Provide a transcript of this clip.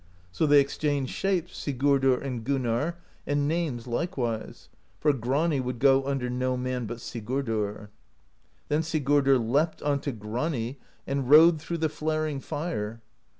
So they exchanged shapes, Sigurdr and Gunnarr, and names likewise; for Grani would go under no man but Sig urdr. Then Sigurdr leapt onto Grani and rode through the flaring fire.